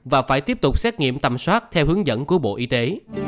và phải tiếp tục xét nghiệm tầm soát theo hướng dẫn của bộ y tế